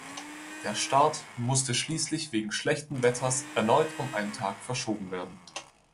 Der Start musste schließlich wegen schlechten Wetters erneut um einen Tag verschoben werden.